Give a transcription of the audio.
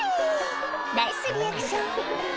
ナイスリアクション